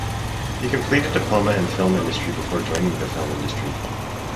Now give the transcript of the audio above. He completed diploma in film industry before joining the film industry.